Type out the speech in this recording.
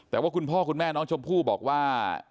แต่ว่าคุณพ่อคุณแม่น้องชมพู่บอกว่า